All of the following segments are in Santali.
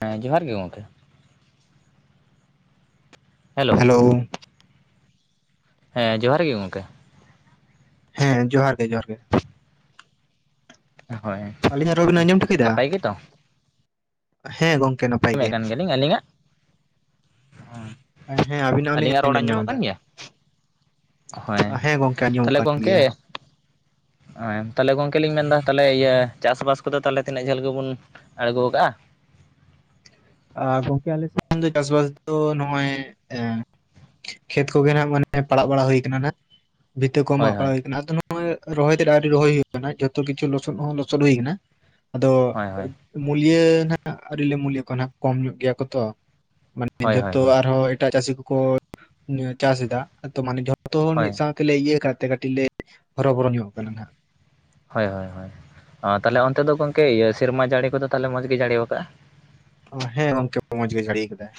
ᱦᱮᱸ ᱡᱚᱦᱟᱨ ᱜᱮ ᱜᱚᱝᱠᱮ᱾ ᱦᱮᱞᱳ᱾ ᱦᱮᱞᱳᱣ᱾ ᱦᱮᱸ ᱡᱚᱦᱟᱨ ᱜᱮ ᱜᱚᱝᱠᱮ᱾ ᱦᱮᱸ ᱡᱚᱦᱟᱨ ᱜᱮ ᱡᱚᱦᱟᱨ ᱜᱮ᱾ ᱦᱚᱭ᱾ ᱟᱹᱞᱤᱧᱟᱜ ᱨᱚᱲ ᱵᱮᱱ ᱟᱸᱡᱚᱢ ᱴᱷᱤᱠᱟᱹᱭ‌ ᱫᱟ, ᱦᱮᱸ ᱜᱚᱝᱠᱮ ᱱᱟᱯᱼᱼ ᱟᱸᱡᱚᱢᱮᱸᱜ ᱠᱟᱱ ᱜᱮᱭᱟ ᱞᱤᱧ, ᱟᱹᱞᱤᱧᱟᱜ? ᱦᱚᱸ ᱦᱮᱸ ᱟᱵᱤᱱᱟᱜ ᱦᱚᱸᱞᱤᱧ ᱟᱹᱞᱤᱧᱟᱜ ᱨᱚᱲ ᱟᱸᱡᱚᱢ ᱧᱟᱢ ᱟᱸᱡᱚᱢᱚᱜ ᱮᱫᱟ ᱠᱟᱱ ᱜᱮᱭᱟ? ᱦᱚᱭ ᱦᱮᱸ ᱜᱚᱝᱠᱮ ᱟᱸᱡᱚᱢᱚᱜ ᱛᱟᱞᱦᱮ ᱠᱟᱱ ᱜᱚᱝᱠᱮᱼᱼ ᱜᱮᱭᱟ ᱚ ᱦᱮᱸ ᱛᱟᱦᱚᱞᱮ ᱜᱚᱝᱠᱮ ᱞᱤᱧ ᱢᱮᱱ ᱮᱫᱟ ᱛᱟᱦᱚᱞᱮ ᱤᱭᱟᱹ ᱪᱟᱥᱼᱵᱟᱥ ᱠᱚᱫᱚ ᱛᱟᱦᱚᱞᱮ ᱛᱤᱱᱟᱹᱜ ᱡᱷᱟᱹᱞ ᱜᱮᱵᱚᱱᱼᱼ ᱟᱬᱜᱚᱠᱟᱜᱼᱟ ᱟ ᱜᱚᱝᱠᱮ ᱟᱞᱮ ᱥᱮᱫ ᱫᱚ ᱪᱟᱥᱵᱟᱥ ᱫᱚ ᱱᱚᱜᱼᱚᱭ ᱠᱷᱮᱛ ᱠᱚᱜᱮ ᱱᱟᱜ ᱢᱟᱱᱮ ᱯᱟᱲᱟᱜ ᱵᱟᱲᱟ ᱦᱩᱭ ᱟᱠᱟᱱᱟ ᱱᱟᱦᱟᱜ ᱵᱷᱤᱛᱟᱹ ᱠᱚ ᱦᱳᱭ ᱢᱟᱜ ᱦᱳᱭ ᱵᱟᱲᱟ ᱦᱩᱭ ᱟᱠᱟᱱᱟ ᱟᱫᱚ ᱱᱚᱜ-ᱚᱭ ᱨᱚᱦᱚᱭ ᱛᱮᱫ ᱟᱹᱶᱨᱤ ᱨᱚᱦᱚᱭ ᱦᱩᱭ ᱟᱠᱟᱱᱟ ᱡᱷᱚᱛᱚ ᱠᱤᱪᱷᱩ ᱞᱚᱥᱚᱫ ᱦᱚᱸ ᱞᱚᱥᱚᱫ ᱦᱩᱭ ᱟᱠᱟᱱᱟ ᱟᱫᱚ ᱦᱳᱭ ᱦᱳᱭ ᱢᱩᱞᱤᱭᱟ ᱱᱟᱜ ᱟᱹᱶᱨᱤ ᱞᱮ ᱢᱩᱞᱤᱭᱟ ᱠᱚᱣᱟ ᱱᱟᱦᱟᱜ ᱠᱚᱢ ᱧᱚᱜ ᱜᱮᱭᱟ ᱠᱚ ᱛᱚ ᱢᱟᱱᱮ ᱦᱳᱭ ᱦᱳᱭ ᱡᱚᱛᱚ ᱦᱳᱭ ᱟᱨᱦᱚᱸ ᱮᱴᱟᱜ ᱪᱟᱹᱥᱤ ᱠᱚ ᱠᱚ ᱪᱟᱥ ᱮᱫᱟ ᱛᱚ ᱢᱟᱱᱮ ᱡᱷᱚᱛᱚ ᱦᱚᱲ ᱦᱳᱭ ᱢᱤᱫ ᱥᱟᱶ ᱛᱮᱞᱮ ᱤᱭᱟᱹ ᱥᱠᱟᱫ ᱛᱮ ᱠᱟᱹᱴᱤᱡ ᱞᱮ ᱦᱚᱨᱚᱵᱚᱨᱚ ᱧᱚᱜ ᱟᱠᱟᱱᱟ ᱱᱟᱦᱟᱜ ᱦᱳᱭ ᱦᱳᱭ ᱦᱳᱭ ᱛᱟᱦᱚᱞᱮ ᱚᱱᱛᱮ ᱫᱚ ᱜᱚᱢᱠᱮ ᱥᱮᱨᱢᱟ ᱡᱟᱹᱲᱤ ᱠᱚᱫᱚ ᱛᱟᱦᱚᱞᱮ ᱢᱚᱡᱽ ᱜᱮ ᱡᱟᱹᱲᱤᱭᱟᱠᱟᱫᱼᱟ ᱦᱮᱸ ᱜᱚᱝᱠᱮ ᱢᱚᱸᱡᱽ ᱜᱮ ᱡᱟᱹᱲᱤ ᱟᱠᱟᱫᱟᱭ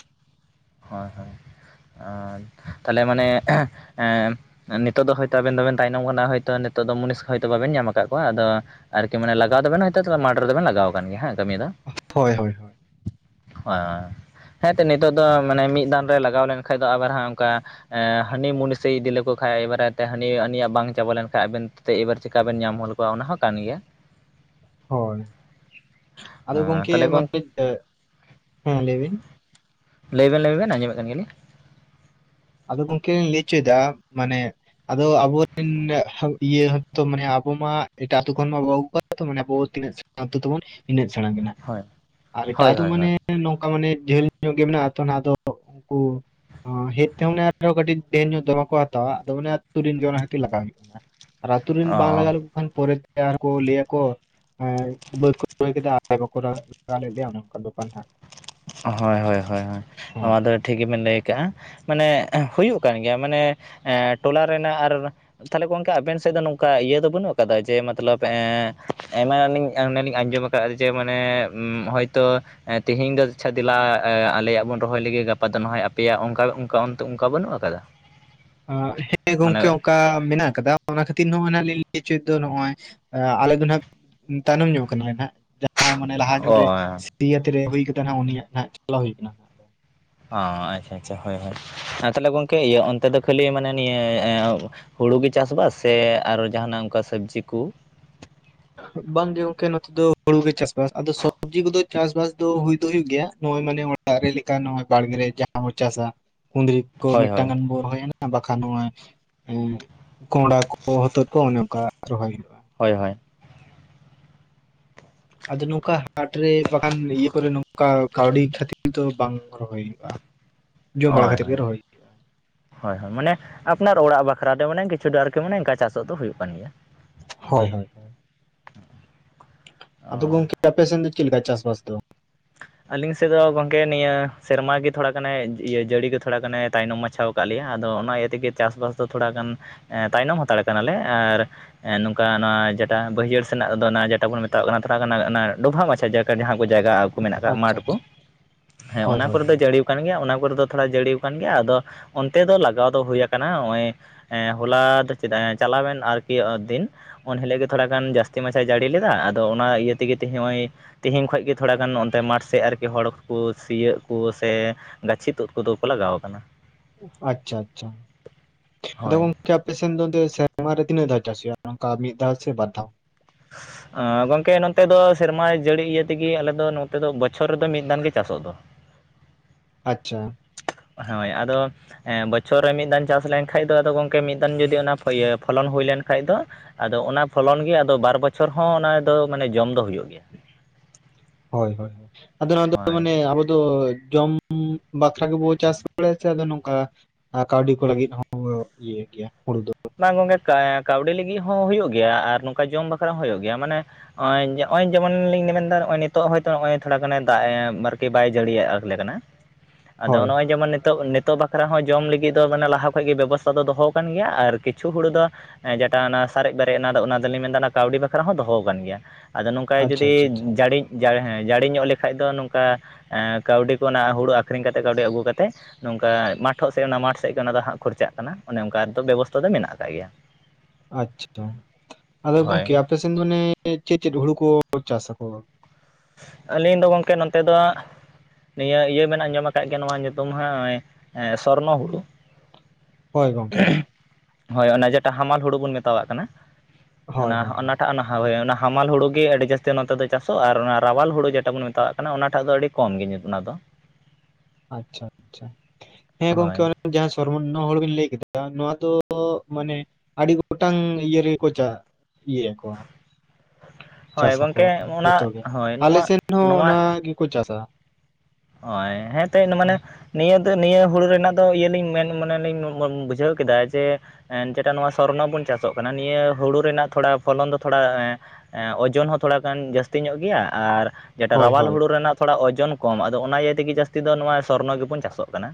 ᱦᱳᱭ ᱦᱳᱭ ᱟᱨ ᱛᱟᱦᱞᱮ ᱢᱟᱱᱮ ᱮᱸ ᱱᱤᱛᱚᱜ ᱫᱚ ᱦᱚᱭᱛᱚ ᱟᱵᱮᱱ ᱫᱚᱵᱮᱱ ᱛᱟᱭᱱᱚᱢ ᱠᱟᱱᱟ ᱦᱳᱭᱛᱚ ᱱᱤᱛᱚᱜ ᱫᱚ ᱢᱩᱱᱤᱥ ᱦᱚᱭᱛᱚ ᱵᱟᱵᱮᱱ ᱧᱟᱢ ᱟᱠᱟᱜ ᱠᱚᱣᱟ ᱟᱫᱚᱼᱼ ᱟᱨᱠᱤ ᱢᱟᱱᱮ ᱞᱟᱜᱟᱣ ᱫᱚ ᱵᱮᱱ ᱦᱚᱭᱛᱚ ᱢᱟᱴᱷ ᱨᱮᱵᱮᱱ ᱞᱟᱜᱟᱣ ᱠᱟᱱ ᱜᱮᱭᱟ ᱦᱮᱸ ᱠᱟᱹᱢᱤ ᱫᱚ᱾ ᱦᱚᱭ ᱦᱚᱭ᱾ ᱦᱳᱭ ᱦᱮᱸ ᱛᱚ ᱱᱤᱛᱳᱜ ᱫᱚ ᱢᱟᱱᱮ ᱢᱤᱫ ᱫᱟᱱ ᱨᱮ ᱞᱟᱜᱟᱣ ᱞᱮᱱ ᱠᱷᱟᱡ ᱫᱚ ᱟᱵᱟᱨ ᱦᱟᱸᱜ ᱚᱱᱠᱟ ᱦᱟᱹᱱᱤ ᱢᱩᱱᱤᱥᱮᱭ ᱤᱫᱤ ᱞᱮᱠᱚ ᱠᱷᱟᱡ ᱮᱭᱵᱟᱨᱮ ᱛᱮ ᱦᱟᱹᱱᱤ ᱦᱟᱱᱤᱭᱟᱜ ᱵᱟᱝ ᱪᱟᱵᱟ ᱞᱮᱱᱠᱷᱟᱡ ᱟᱵᱮᱱ ᱮᱵᱟᱨ ᱪᱤᱠᱟ ᱵᱮᱱ ᱧᱟᱢ ᱦᱚᱫ ᱠᱚᱣᱟ ᱚᱱᱟ ᱦᱚᱸ ᱠᱟᱱ ᱜᱮᱭᱟ ᱦᱳᱭ ᱟᱫᱚ ᱜᱚᱝᱠᱮ ᱛᱟᱦᱚᱞᱮ ᱜᱚᱝ ᱢᱟᱱᱮ ᱦᱮᱸ ᱞᱟᱹᱭ ᱵᱤᱱ ᱞᱟᱹᱭ ᱵᱮᱱ ᱞᱟᱹᱭ ᱵᱮᱱ ᱟᱸᱚᱢᱮᱫ ᱠᱟᱱ ᱜᱮᱭᱟᱞᱤᱧ᱾ ᱟᱫᱚ ᱜᱚᱢᱠᱮ ᱞᱤᱧ ᱞᱟᱹᱭ ᱦᱚᱪᱚᱭᱮᱫᱟ ᱢᱟᱱᱮ- ᱟᱫᱚ ᱟᱵᱚᱨᱮᱱ ᱤᱭᱟᱹ ᱦᱚᱸᱛᱚ ᱢᱟᱱᱮ ᱟᱵᱚ ᱢᱟ ᱮᱴᱟᱜ ᱟᱛᱳ ᱠᱷᱚᱱ ᱢᱟ ᱵᱟᱵᱚ ᱟᱹᱜᱩ ᱠᱚᱣᱟ ᱛᱚ ᱢᱟᱱᱮ ᱟᱵᱚ ᱛᱤᱱᱟᱹᱜ ᱟᱛᱳ ᱛᱟᱵᱚᱱ ᱤᱱᱟᱹᱜ ᱪᱷᱟᱬᱟ ᱢᱟᱱᱟ ᱦᱳᱭ ᱟᱨ ᱮᱴᱟᱜ ᱦᱳᱭ ᱟᱛᱳ ᱦᱳᱭ ᱢᱟᱱᱮ ᱦᱳᱭ ᱱᱚᱝᱠᱟ ᱢᱟᱱᱮ ᱡᱷᱟᱹᱞ ᱧᱚᱜ ᱜᱮ ᱢᱮᱱᱟᱜᱼᱟ ᱛᱚ ᱱᱟᱦᱟᱜ ᱟᱫᱚ ᱩᱱᱠᱩ ᱦᱮᱡ ᱚᱱᱮ ᱟᱨᱚ ᱠᱟᱹᱴᱤᱡ ᱰᱷᱮᱨ ᱧᱚᱜ ᱫᱚᱢᱮ ᱠᱟ ᱦᱟᱛᱟᱣᱟ ᱟᱫᱚ ᱟᱞᱮ ᱟᱛᱩ ᱨᱮᱱ ᱜᱮ ᱚᱱᱟ ᱠᱷᱟᱛᱤᱨ ᱞᱟᱜᱟᱣ ᱦᱩᱭᱩᱜ ᱠᱟᱱᱟ ᱟᱨ ᱟᱛᱳ ᱨᱮᱱ ᱵᱟᱝ ᱚ ᱞᱟᱜᱟᱣ ᱞᱮᱠᱚ ᱠᱷᱟᱱ ᱯᱚᱨᱮ ᱛᱮ ᱟᱨᱦᱚᱸᱠᱚ ᱞᱟᱹᱭ ᱟᱠᱚ ᱵᱟᱹᱫᱽ ᱠᱚᱯᱮ ᱨᱚᱦᱚᱭ ᱠᱮᱫᱟ ᱟᱞᱮ ᱵᱟᱠᱚ ᱞᱟᱜᱟᱣ ᱞᱮᱫ ᱞᱮᱭᱟ ᱚᱱᱮ ᱚᱱᱠᱟᱱ ᱵᱮᱯᱟᱨ ᱦᱟᱸᱜ ᱦᱳᱭ ᱦᱳᱭ ᱦᱳᱭ ᱦᱳᱭ ᱱᱚᱣᱟ ᱫᱚ ᱴᱷᱤᱠ ᱜᱮᱵᱮᱱ ᱞᱟᱹᱭ ᱠᱟᱜᱼᱟ, ᱢᱟᱱᱮ ᱦᱩᱭᱩᱜ ᱠᱟᱱ ᱜᱮᱭᱟ ᱢᱟᱱᱮ ᱴᱚᱞᱟ ᱨᱮᱱᱟᱜ ᱟᱨ ᱛᱟᱦᱞᱮ ᱜᱚᱝᱠᱮ ᱟᱵᱮᱱ ᱥᱮᱫ ᱫᱚ ᱱᱚᱝᱠᱟ ᱤᱭᱟᱹ ᱫᱚ ᱵᱟᱹᱱᱩᱜ ᱟᱠᱟᱫᱟ ᱡᱮ ᱢᱚᱛᱞᱚᱵ ᱟᱭᱢᱟ ᱱᱟᱱᱤᱧ ᱚᱱᱮᱞᱤᱧ ᱟᱸᱡᱚᱢ ᱠᱟᱜᱼᱟ ᱡᱮ ᱢᱟᱱᱮ ᱦᱚᱭᱛᱳ ᱛᱮᱤᱦᱤᱧ ᱫᱚ ᱤᱪᱪᱷᱟ ᱫᱮᱞᱟ ᱟᱞᱮᱭᱟᱜ ᱵᱚᱱ ᱨᱚᱦᱚᱭ ᱞᱮ ᱜᱟᱯᱟ ᱫᱚ ᱱᱟᱦᱚᱭ ᱟᱯᱮᱭᱟᱜ ᱚᱱᱠᱟ ᱚᱱᱠᱟ ᱚᱱᱛᱮ ᱚᱱᱠᱟ ᱵᱟᱹᱱᱩᱜ ᱟᱠᱟᱫᱟ? [inaudible] ᱦᱮᱸ ᱜᱚᱝᱠᱮ ᱢᱟᱱᱮ ᱚᱱᱠᱟ ᱢᱮᱱᱟᱜ ᱟᱠᱟᱫᱟ᱾ ᱚᱱᱟ ᱠᱷᱟᱹᱛᱤᱨ ᱱᱚᱜᱼᱚᱭ ᱱᱟᱜ ᱞᱤᱧ ᱞᱟᱹᱭ ᱦᱚᱪᱚᱭᱮᱫ ᱫᱚ ᱱᱚᱜᱼᱚᱭ ᱟᱞᱮ ᱫᱚ ᱱᱟᱦᱟᱜ ᱛᱟᱭᱱᱚᱢ ᱧᱚᱜᱚᱜ ᱠᱟᱱᱟᱞᱮ ᱱᱟᱦᱚᱜ᱾ ᱢᱟᱱᱮ ᱞᱟᱦᱟ ᱧᱚᱜᱨᱮ ᱚ ᱥᱤᱭᱟᱹᱛ ᱨᱮ ᱦᱩᱭ ᱠᱟᱛᱮ ᱱᱟᱦᱟᱜ ᱩᱱᱤᱭᱟᱜ ᱜᱷᱟᱡ ᱪᱟᱞᱟᱣ ᱦᱩᱭ ᱟᱠᱟᱱᱟ᱾ ᱚ ᱟᱪᱪᱷᱟ ᱟᱪᱪᱷᱟ ᱦᱳᱭ ᱦᱳᱭ ᱛᱟᱦᱞᱮ ᱜᱚᱢᱠᱮ ᱤᱭᱟᱹ ᱚᱱᱛᱮ ᱫᱚ ᱠᱷᱟᱹᱞᱤ ᱢᱟᱱᱮ ᱱᱤᱭᱟᱹ ᱦᱩᱲᱩ ᱜᱮ ᱪᱟᱥ ᱵᱟᱟᱥ ᱥᱮ ᱟᱨᱚ ᱡᱟᱦᱟᱱᱟᱜ ᱚᱱᱠᱟ ᱥᱚᱵᱽᱡᱤ ᱠᱩ ᱵᱟᱝᱜᱮ ᱜᱚᱝᱠᱮ ᱱᱚᱛᱮ ᱫᱚ ᱦᱩᱲᱩ ᱜᱮ ᱪᱟᱥᱵᱟᱥ ᱟᱫᱚ ᱥᱚᱵᱽᱡᱤ ᱠᱚᱫᱚ ᱪᱟᱥᱵᱟᱥ ᱫᱚ ᱦᱩᱭ ᱫᱚ ᱦᱩᱭᱩᱜ ᱜᱮᱭᱟ ᱱᱚᱜᱚᱭ ᱢᱟᱱᱮ ᱫᱟᱨᱮ ᱞᱮᱠᱟ ᱱᱚᱜ-ᱚᱭ ᱵᱟᱲᱜᱮ ᱡᱟᱦᱟᱸ ᱵᱚ ᱪᱟᱥᱟ ᱠᱩᱫᱽᱨᱤ ᱠᱚ ᱦᱳᱭ ᱦᱳᱭ ᱢᱤᱫᱴᱟᱝ ᱜᱟᱱ ᱵᱚᱱ ᱨᱚᱦᱚᱭᱟ᱾ ᱵᱟᱠᱷᱟᱱ ᱱᱚᱜᱼᱚᱭ ᱠᱚᱸᱲᱟ ᱠᱚ ᱦᱚᱛᱚᱫ ᱠᱚ ᱚᱱᱮ ᱚᱱᱠᱟ ᱨᱚᱦᱚᱭ ᱦᱩᱭᱩᱜᱼᱟ᱾ ᱦᱳᱭ ᱦᱳᱭ ᱟᱫᱚ ᱱᱚᱝᱠᱟ ᱦᱟᱴᱨᱮ ᱵᱟᱠᱷᱟᱱ ᱤᱭᱟᱹ ᱠᱚᱨᱮ ᱱᱚᱝᱠᱟ ᱠᱟᱹᱣᱰᱤ ᱠᱷᱟᱹᱛᱤᱨ ᱫᱚ ᱵᱟᱝ ᱨᱚᱦᱚᱭ ᱦᱩᱭᱩᱜᱼᱟ᱾ ᱡᱚᱢ ᱵᱟᱲᱟ ᱦᱳᱭ ᱠᱷᱟᱹᱛᱤᱨ ᱜᱮ ᱦᱳᱭ ᱨᱚᱦᱚᱭ ᱦᱳᱭ ᱦᱳᱭ ᱢᱟᱱᱮ ᱟᱯᱱᱟᱨ ᱚᱲᱟᱜ ᱵᱟᱠᱷᱨᱟ ᱛᱮ ᱢᱟᱱᱮ ᱠᱤᱪᱷᱩ ᱫᱚ ᱟᱨᱠᱤ ᱢᱟᱱᱮ ᱚᱱᱠᱟ ᱪᱟᱥᱚᱜ ᱫᱚ ᱦᱩᱭᱩᱜ ᱠᱟᱱ ᱜᱮᱭᱟ᱾ ᱦᱩᱭᱩᱜᱼᱟ᱾ ᱦᱳᱭ ᱦᱳᱭ ᱦᱳᱭ᱾ ᱟᱫᱚ ᱚ ᱜᱚᱢᱠ ᱟᱯᱮᱥᱮᱱ ᱫᱚ ᱪᱮᱫ ᱞᱮᱠᱟ ᱪᱟᱥ-ᱵᱟᱥ ᱫᱚ? ᱟᱹᱞᱤᱧ ᱥᱮᱫ ᱫᱚ ᱜᱚᱝᱠᱮ ᱱᱤᱭᱟᱹ ᱥᱮᱨᱢᱟ ᱜᱮ ᱛᱷᱚᱲᱟ ᱜᱟᱱᱮ ᱤᱭᱟᱹ ᱡᱟᱹᱲᱤ ᱜᱮ ᱛᱷᱚᱲᱟ ᱜᱟᱱᱮ ᱛᱟᱭᱱᱚᱢ ᱢᱟᱪᱷᱟᱣ ᱠᱟᱜ ᱞᱮᱭᱟ ᱟᱫᱚ ᱚᱱᱟ ᱤᱭᱟᱹ ᱛᱮᱜᱮ ᱪᱟᱥ-ᱵᱟᱥ ᱫᱚ ᱛᱷᱚᱲᱟ ᱜᱟᱱ ᱛᱟᱭᱱᱚᱢ ᱦᱟᱛᱟᱲ ᱠᱟᱱᱟᱞᱮ ᱟᱨ ᱱᱚᱝᱠᱟ ᱱᱚᱣᱟ ᱡᱮᱴᱟ ᱵᱟᱹᱭᱦᱟᱹᱲ ᱥᱮᱱᱟᱜ ᱫᱚ ᱚᱱᱟ ᱡᱮᱴᱟ ᱵᱚᱱ ᱢᱮᱛᱟᱣᱟᱜ ᱠᱟᱱᱟ ᱛᱷᱚᱲᱟ ᱜ ᱚᱱᱟ ᱰᱚᱵᱷᱟᱜ ᱢᱟᱪᱷᱟ ᱡᱟ ᱡᱟᱦᱟᱸ ᱠᱚ ᱡᱟᱭᱜᱟ ᱟᱠᱚ ᱢᱮᱱᱟᱜ ᱟᱠᱟᱫ ᱟᱪᱪᱷᱟ ᱢᱟᱴᱷ ᱟᱪᱪᱷᱟ ᱠᱚ ᱦᱮᱸ ᱦᱳᱭ ᱚᱱᱟ ᱦᱳᱭ ᱠᱚᱨᱮ ᱫᱚ ᱦᱳᱭ, ᱡᱟᱹᱲᱤ ᱜᱮᱭᱟ ᱚᱱᱟ ᱠᱚᱨᱮ ᱫᱚ ᱛᱷᱚᱲᱟ ᱡᱟᱹᱲᱤ ᱟᱠᱟᱱ ᱜᱮᱭᱟ ᱟᱫᱚ ᱚᱱᱛᱮ ᱫᱚ ᱞᱟᱜᱟᱣ ᱫᱚ ᱦᱩᱭᱟ ᱟᱠᱟᱱᱟ ᱱᱚᱜᱚᱭ, ᱦᱚᱞᱟ ᱫᱚ ᱪᱮᱫᱟᱜ ᱪᱟᱞᱟᱣᱮᱱ ᱟᱨᱠᱤ ᱫᱤᱱ ᱩᱱ ᱦᱤᱞᱳᱜ ᱜᱮ ᱛᱷᱚᱲᱟ ᱜᱟᱱ ᱡᱟᱹᱥᱛᱤ ᱢᱟᱪᱷᱟᱣ ᱡᱟᱹᱲᱤ ᱞᱮᱫᱟ ᱟᱫᱚ ᱚᱱᱟ ᱤᱭᱟᱹ ᱛᱮᱜᱮ ᱛᱦᱤᱧ ᱱᱚᱜᱼᱚᱭ, ᱛᱦᱤᱧ ᱠᱷᱚᱱ ᱜᱮ ᱛᱷᱚᱲ ᱜᱟᱱ ᱢᱟᱴᱷ ᱥᱮᱫ ᱟᱨᱠᱤ ᱦᱚᱲ ᱠᱚ ᱥᱤᱭᱳᱜ ᱠᱚ ᱥᱮ ᱜᱟᱪᱷᱤ ᱛᱩᱫ ᱠᱚᱫᱚ ᱠᱚ ᱞᱟᱜᱟᱣ ᱟᱠᱟᱱᱟ᱾ ᱟᱪᱪᱷᱟ ᱟᱪᱪᱷᱟ ᱟᱫᱚ ᱦᱳᱭ ᱜᱚᱝ ᱠᱮ ᱟᱯᱮᱥ ᱥᱮᱱ ᱫᱚ ᱥᱮᱨᱢᱟ ᱨᱮ ᱛᱤᱱᱟᱹᱜ ᱫᱷᱟᱣ ᱪᱟᱥ ᱦᱩᱭᱩᱜᱼᱟ ᱱᱝᱠᱟ ᱢᱤᱫ ᱫᱷᱟᱣ ᱥᱮ ᱵᱟᱨ ᱫᱷᱟᱣ? [inaudible] ᱜᱚᱝᱠᱮ ᱱᱚᱛᱮ ᱫᱚ ᱥᱮᱨᱢᱟ ᱡᱟᱹᱲᱤ ᱤᱭᱟᱹ ᱛᱮᱜᱮ ᱟᱞᱮ ᱫᱚ ᱱᱚᱛᱮ ᱫᱚ ᱵᱚᱪᱷᱚᱨ ᱨᱮᱫᱚ ᱢᱤᱫ ᱫᱟᱱ ᱜᱮ ᱪᱟᱥᱚᱜ ᱫᱚ᱾ ᱟᱪᱪᱷᱟ ᱦᱳᱭ ᱟᱫᱚ ᱵᱚᱪᱷᱚᱨ ᱨᱮ ᱢᱤᱫ ᱫᱟᱱ ᱪᱟᱥ ᱞᱮᱱᱠᱷᱟᱡ ᱫᱚ ᱟᱫᱚ ᱜᱚᱢᱠᱮ ᱢᱤᱫ ᱫᱟᱱ ᱡᱩᱫᱤ ᱚᱱᱟ ᱯᱷᱚᱞᱚᱱ ᱦᱩᱭ ᱞᱮᱱᱠᱷᱟᱡ ᱫᱚ, ᱟᱫᱚ ᱚᱱᱟ ᱯᱷᱚᱞᱚᱱ ᱜᱮ ᱟᱫᱚ ᱵᱟᱨ ᱵᱚᱪᱷᱚᱨ ᱦᱚᱸ ᱚᱱᱟ ᱫᱚ ᱢᱟᱱᱮ ᱡᱚᱢ ᱫᱚ ᱦᱩᱭᱩᱜ ᱜᱮᱭᱟ᱾ ᱦᱳᱭ ᱦᱳᱭ ᱟᱫᱚ ᱱᱭᱟ ᱫᱚ ᱦᱳᱭ ᱢᱟᱱᱮ ᱟᱵᱚ ᱫᱚ ᱡᱚᱢ ᱦᱩᱸ ᱵᱟᱠᱷᱨᱟ ᱜᱮ ᱵᱚ ᱪᱟᱥ ᱵᱟᱬᱟᱭᱟ ᱥᱮ ᱟᱫᱚ ᱱᱚᱝᱠᱟ ᱟᱨ ᱠᱟᱹᱣᱰᱤ ᱠᱚ ᱞᱟᱹᱜᱤᱫ ᱦᱚᱸ ᱤᱭᱟᱹ ᱜᱮᱭᱟ ᱦᱩᱲᱩ ᱫᱚ ᱵᱟᱝ ᱜᱚᱝᱠᱮ ᱠᱟᱹᱣᱰᱤ ᱞᱟᱹᱜᱤᱫ ᱦᱚᱸ ᱦᱩᱭᱩᱜ ᱜᱮᱭᱟ, ᱟᱨ ᱱᱚᱝᱠᱟ ᱡᱚᱢ ᱵᱟᱠᱷᱨᱟ ᱦᱚᱸ ᱦᱩᱭᱩᱜ ᱜᱮᱭᱟ, ᱢᱟᱱᱮ ᱱᱚᱜᱼᱚᱭ ᱱᱚᱜᱼᱚᱭ ᱡᱮᱢᱚᱱ ᱞᱤᱧ ᱢᱮᱱᱮᱫᱟ ᱱᱚᱜᱼᱚᱭ ᱱᱤᱛᱚᱜ ᱦᱭᱛᱳ ᱱᱚᱜᱼᱚᱭ ᱛᱷᱚᱲᱟ ᱜᱟᱱᱮ ᱫᱟᱜ ᱮ ᱟᱨᱠᱤ ᱵᱟᱭ ᱡᱟᱹᱲᱤᱭᱟᱜᱼᱟ᱾ [unintelligible] ᱟᱫᱚ ᱦᱳᱭ ᱱᱚᱜᱼᱚᱭ ᱡᱮᱢᱚᱱ ᱱᱤᱛᱚᱜ ᱱᱮ ᱛᱚ ᱵᱟᱠᱷᱨᱟ ᱦᱚᱸ ᱡᱚᱢ ᱞᱟᱹᱜᱤᱫ ᱫᱚ ᱢᱟᱱᱮ ᱞᱟᱦᱟ ᱠᱷᱚᱡᱜ ᱜᱮ ᱵᱮᱵᱚᱥᱛᱷᱟ ᱫᱚ ᱫᱚᱦᱚ ᱟᱠᱟᱱ ᱜᱮᱭᱟ ᱟᱨ ᱠᱤᱪᱷᱩ ᱦᱩᱲᱩ ᱫᱚ ᱡᱮᱴᱟ ᱚᱱᱟ ᱥᱟᱨᱮᱡ ᱵᱮᱨᱮᱡ ᱮᱱᱟ ᱚᱱᱟ ᱫᱚᱞᱤᱧ ᱢᱮᱱᱫᱟ ᱚᱱᱟ ᱠᱟᱹᱣᱰᱤ ᱵᱟᱠᱷᱨᱟ ᱦᱚᱸ ᱫᱚᱦᱚ ᱟᱠᱟᱱ ᱜᱮᱭᱟ᱾ ᱟᱫᱚ ᱱᱚᱝᱠᱟ ᱟᱪᱪᱷᱟ ᱡᱩᱫᱤ ᱟᱪᱪᱷᱟ ᱟᱪᱪᱷᱟ ᱡᱟᱹᱲᱤᱮᱸ ᱡᱟᱹᱲᱤᱧᱚᱜ ᱞᱮᱠᱷᱟᱡ ᱫᱚ ᱱᱚᱝᱠᱟ, ᱮᱸ ᱠᱟᱹᱣᱰᱤ ᱠᱚ ᱚᱱᱟ ᱦᱩᱲᱩ ᱟᱠᱷᱨᱤᱧ ᱠᱟᱛᱮᱜ ᱠᱟᱹᱣᱰᱤ ᱟᱹᱜᱩ ᱠᱟᱛᱮᱫ, ᱱᱚᱝᱠᱟ ᱢᱟᱴᱷᱚᱜ ᱥᱮᱫ ᱚᱱᱟ ᱢᱟᱴᱷ ᱥᱮᱫ ᱜᱮ ᱚᱱᱟ ᱫᱚ ᱦᱟᱸᱜ ᱠᱷᱚᱨᱪᱟᱜ ᱠᱟᱱᱟ, ᱚᱱᱮ ᱚᱱᱠᱟᱫᱚ ᱵᱮᱵᱚᱥᱛᱷᱟ, ᱚᱠᱛᱚ ᱫᱚ ᱢᱮᱱᱟᱜ ᱟᱠᱟᱫ ᱜᱮᱭᱟ᱾ ᱟᱪᱪᱷᱟ ᱟᱫᱚ ᱦᱳᱭ ᱜᱚᱝᱠᱮ ᱟᱯᱮᱥᱮᱫ ᱫᱚ ᱢᱟᱱᱮ ᱪᱮᱫ ᱪᱮᱫ ᱦᱩᱲᱩ ᱠᱚ ᱪᱟᱥᱟᱠᱚ? ᱟᱹᱞᱤᱧ ᱫᱚ ᱜᱚᱝᱠᱮ ᱱᱚᱱ ᱛᱮ ᱫᱚ ᱱᱤᱭᱟᱹ ᱤᱭᱟᱹ ᱵᱤᱱ ᱟᱸᱡᱚᱢ ᱟᱠᱟᱫ ᱜᱮᱭᱟ ᱱᱚᱣᱟ ᱧᱩᱛᱩᱢ ᱦᱚᱸ ᱱᱚᱜ ᱥᱚᱨᱱᱚ ᱦᱩᱲᱩ ᱦᱳᱭ ᱜᱚᱝᱠᱮ ᱦᱳᱭ ᱚᱱᱟ ᱡᱮᱴᱟ ᱦᱟᱢᱟᱞ ᱦᱩᱲᱩ ᱵᱚᱱ ᱢᱮᱛᱟᱣᱟᱜ ᱠᱟᱱᱟ ᱦᱳᱭ ᱚᱱᱟ ᱦᱳᱭ ᱦᱳᱭ ᱚᱱᱟᱴᱟᱜ ᱚᱱᱟ [unintelligible] ᱚᱱᱟ ᱦᱟᱢᱟᱞ ᱦᱩᱲᱩ ᱜᱮ ᱟᱹᱰᱤ ᱡᱟᱹᱥᱛᱤ ᱱᱚᱛᱮ ᱫᱚ ᱪᱟᱥᱚᱜ ᱟᱨ ᱚᱱᱟ ᱨᱟᱣᱟᱞ ᱦᱩᱲᱩ ᱡᱮᱴᱟ ᱵᱚᱱ ᱢᱮᱛᱟᱣᱟᱜ ᱠᱟᱱᱟ ᱚᱱᱟᱴᱟᱜ ᱫᱚ ᱟᱹᱰᱤ ᱠᱚᱢ ᱜᱮ ᱚᱱᱟ ᱫᱚ ᱟᱪᱪᱷᱟ ᱟᱪᱪᱷᱟ ᱦᱮᱸ ᱜᱚᱝᱠᱮ ᱦᱳᱭ ᱚᱱᱮ ᱡᱟᱦᱟᱸ ᱥᱚᱨᱢᱚᱱᱚ ᱦᱩᱲᱩ ᱵᱤᱱ ᱞᱟᱹᱭ ᱠᱮᱫᱟ ᱱᱚᱣᱟ ᱫᱚ ᱢᱟᱱᱮ ᱟᱹᱰᱤ ᱜᱚᱴᱟᱝ ᱤᱭᱟᱹ ᱨᱮᱜᱮᱠᱚ ᱪᱟ ᱤᱭᱟᱹᱭᱟᱚᱠ ᱦᱳᱭ ᱪᱟᱥᱟᱠᱚ ᱜᱚᱢᱠᱮ ᱡᱚᱛᱚ ᱚᱱᱟ ᱜᱮ ᱦᱳᱭ ᱟᱞ ᱱᱚᱣᱟ ᱥᱮᱱ ᱦᱚᱸ ᱚᱱᱟ ᱜᱮᱠᱚ ᱪᱟᱥᱟ ᱳ ᱦᱮᱸᱛ ᱦᱳᱭ ᱢᱟᱱᱮ ᱱᱤᱭᱟᱹ ᱫᱚ ᱱᱤᱭᱟᱹ ᱦᱩᱲᱩ ᱨᱮᱱᱟᱜ ᱫᱚ ᱤᱭᱟᱹᱞᱤᱧ ᱢᱮᱱ ᱢᱟᱱᱮᱞᱤᱧ ᱵᱩᱡᱷᱟᱹᱣ ᱠᱮᱫᱟ ᱡᱮ ᱡᱮᱴᱟ ᱱᱚᱣᱟ ᱥᱚᱨᱚᱱ ᱵᱚᱱ ᱪᱟᱥᱚᱜ ᱠᱟᱱᱟ ᱱᱤᱭᱟᱹ ᱦᱩᱲᱩ ᱨᱮᱱᱟᱜ ᱛᱷᱚᱲᱟ ᱯᱷᱚᱞᱚᱱ ᱫᱚ ᱛᱷᱚᱲᱟ ᱳᱡᱳᱚᱱ ᱦᱚᱸ ᱛᱷᱚᱲᱟᱜᱟᱱ ᱡᱟᱹᱥᱛᱤ ᱧᱚᱜ ᱜᱮᱭᱟ ᱟᱨ ᱡᱮᱴᱟ ᱦᱳᱭ ᱨᱟᱣᱟᱞ ᱦᱩᱲᱩ ᱨᱮᱱᱟᱜ ᱛᱷᱚᱲᱟ ᱳᱡᱚᱱ ᱠᱚᱢ ᱟᱫᱚ ᱚᱱᱟ ᱤᱭᱟᱹ ᱛᱮᱜᱮ ᱡᱟᱹᱥᱛᱤ ᱫᱚ ᱱᱚᱣᱟ ᱥᱚᱨᱱᱚ ᱜᱮᱵᱚᱱ ᱪᱟᱥᱚᱜ ᱠᱟᱱᱟ